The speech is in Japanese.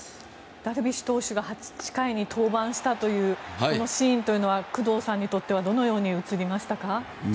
ダルビッシュ投手が８回に登板したというこのシーンというのは工藤さんにとってはどのように映りましたか？